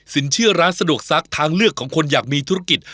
เชื่อร้านสะดวกซักทางเลือกของคนอยากมีธุรกิจ